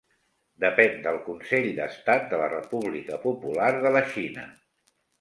Depèn del Consell d'Estat de la República Popular de la Xina.